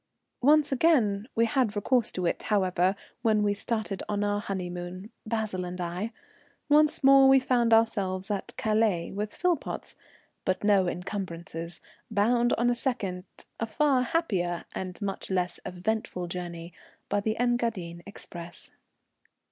Once again we had recourse to it, however, when we started on our honeymoon, Basil and I. Once more we found ourselves at Calais with Philpotts, but no encumbrances, bound on a second, a far happier, and much less eventful journey by the Engadine express.